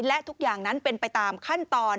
และทุกอย่างนั้นเป็นไปตามขั้นตอน